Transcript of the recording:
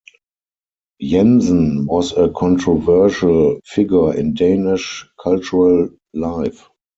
Jensen was a controversial figure in Danish cultural life.